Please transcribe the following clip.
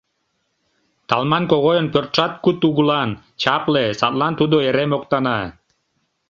Талман Когойын пӧртшат куд угылан, чапле, садлан тудо эре моктана: